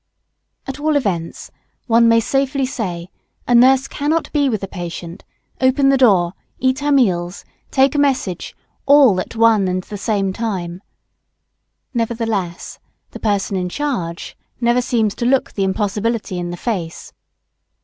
At all events, one may safely say, a nurse cannot be with the patient, open the door, eat her meals, take a message, all at one and the same time. Nevertheless the person in charge never seems to look the impossibility in the face.